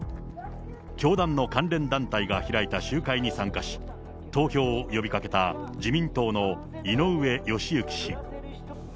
教団の関連団体が開いた集会に参加し、投票を呼びかけた自民党の井上義行氏。